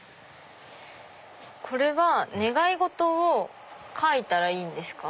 これは願い事を書いたらいいんですか？